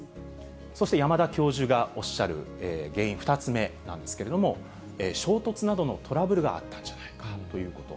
そして山田教授がおっしゃる原因、２つ目なんですけれども、衝突などのトラブルがあったんじゃないのかということ。